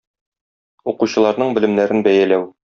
Укучыларның белемнәрен бәяләү.